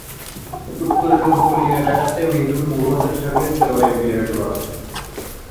উত্তরের উপকূলীয় এলাকাতে মৃদু ভূমধ্যসাগরীয় জলবায়ু বিরাজমান।